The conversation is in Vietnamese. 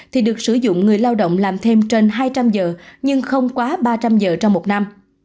thì được sử dụng người lao động làm thêm trên hai trăm linh giờ nhưng không quá ba trăm linh giờ trong một năm